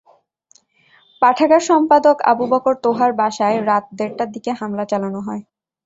পাঠাগার সম্পাদক আবু বকর তোহার বাসায় রাত দেড়টার দিকে হামলা চালানো হয়।